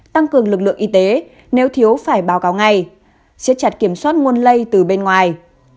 tăng cường lực lượng y tế nếu thiếu phải báo cáo ngay siết chặt kiểm soát nguồn lây từ bên ngoài